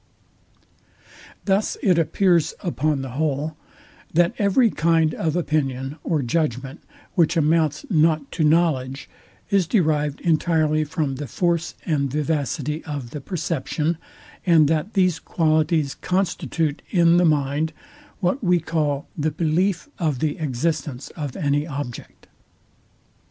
Thus it appears upon the whole, that every kind of opinion or judgment, which amounts not to knowledge, is derived entirely from the force and vivacity of the perception, and that these qualities constitute in the mind, what we call the BELIEF Of the existence of any object.